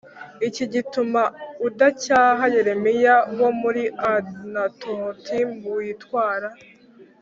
iki gituma udacyaha Yeremiya wo muri Anatotim witwara